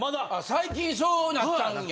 最近そうなったんや。